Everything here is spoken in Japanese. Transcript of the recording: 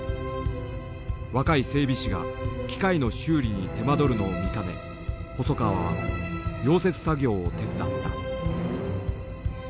若い整備士が機械の修理に手間取るのを見かね細川は溶接作業を手伝った。